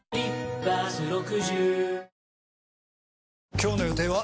今日の予定は？